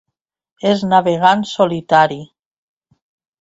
És navegant solitari.